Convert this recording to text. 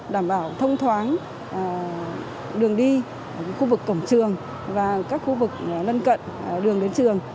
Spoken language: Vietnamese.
đảm bảo thông thoáng đường đi khu vực cổng trường và các khu vực lân cận đường đến trường